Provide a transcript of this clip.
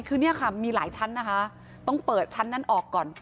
คือเนี่ยค่ะมีหลายชั้นนะคะต้องเปิดชั้นนั้นออกก่อน